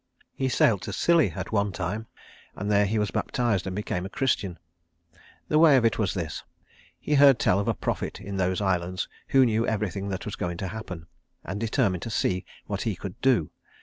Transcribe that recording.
He sailed to Scilly at one time, and there he was baptized and became a Christian. The way of it was this: He heard tell of a prophet in those islands who knew everything that was going to happen, and determined to see what he could do.